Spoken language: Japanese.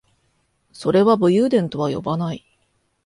それは武勇伝とは呼ばない